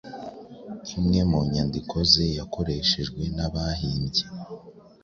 Imwe mu nyandiko ze yakoreshejwe n’abahimbye